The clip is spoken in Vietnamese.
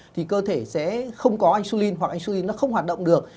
thì cơ thể sẽ không có insulin hoặc insulin nó không hoạt động được